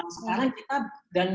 sekarang kita dan